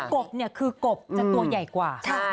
กบเนี่ยคือกบจะตัวใหญ่กว่า